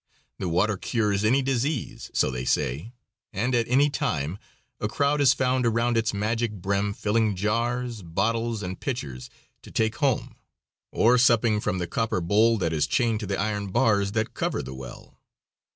The water cures any disease, so they say, and at any time a crowd is found around its magic brim filling jars, bottles, and pitchers to take home, or supping from the copper bowl that is chained to the iron bars that cover the well.